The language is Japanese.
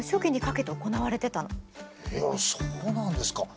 いやそうなんですか。